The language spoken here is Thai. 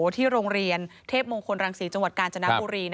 ที่โรงเรียนเทพมงคลรังศรีจังหวัดกาญจนบุรี